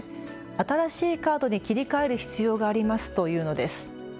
新しいカードに切り替える必要がありますと言うのです。